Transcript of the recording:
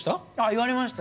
言われました。